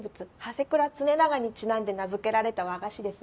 支倉常長にちなんで名付けられた和菓子です。